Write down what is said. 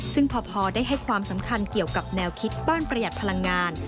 ซึ่งพอได้ให้ความสำคัญเกี่ยวกับแนวคิดบ้านประหยัดพลังงาน